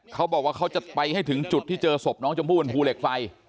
เขาบอกว่าเขาจะไปให้ถึงจุดที่เจอศพน้องชมพู่บนภูเหล็กไฟ